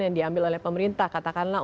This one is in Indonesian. yang diambil oleh pemerintah katakanlah